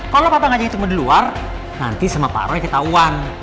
kalo papa ngajakin ketemu di luar nanti sama paruhnya ketahuan